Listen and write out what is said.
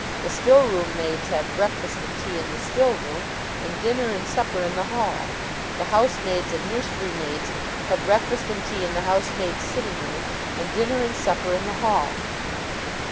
The stillroom maids have breakfast and tea in the stillroom, and dinner and supper in the hall. The housemaids and nursery maids have breakfast and tea in the housemaid's sitting room, and dinner and supper in the hall.